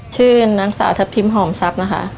ชื่อนางสาวทัพทิมหอมทรัพย์นะคะ